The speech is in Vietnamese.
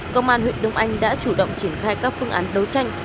công an huyện đông anh đã chủ động triển khai các phương án đấu tranh